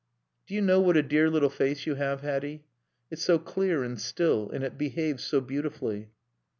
"Do you know what a dear little face you have, Hatty? It's so clear and still and it behaves so beautifully."